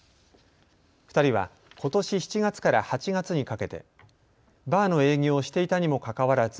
２人は、ことし７月から８月にかけてバーの営業をしていたにもかかわらず